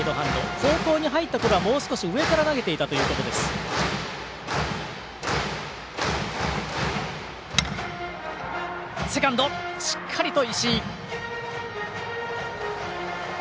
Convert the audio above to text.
高校に入ったころはもう少し上から投げていたということです。